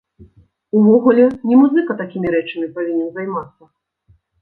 Увогуле не музыка такімі рэчамі павінен займацца.